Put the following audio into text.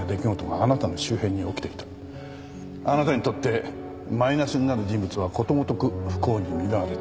あなたにとってマイナスになる人物はことごとく不幸に見舞われた。